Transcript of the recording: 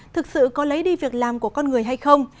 thực sự có lấy đi việc làm của con người hay không